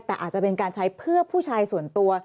แต่อาจจะเป็นการใช้เพื่อผู้ชายส่วนตัว